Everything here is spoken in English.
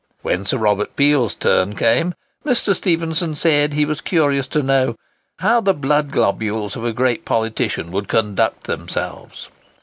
When Sir Robert Peel's turn came, Mr. Stephenson said he was curious to know "how the blood globules of a great politician would conduct themselves."